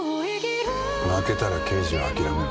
負けたら刑事を諦めろ。